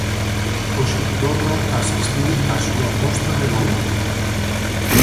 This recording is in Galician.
Hoxe Torra asistiu á súa posta de longo.